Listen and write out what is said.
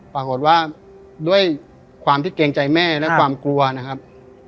ปรากฏว่าด้วยความที่เกรงใจแม่และความกลัวนะครับ